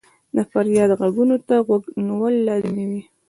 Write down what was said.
د فریاد ږغونو ته غوږ نیول لازمي وي.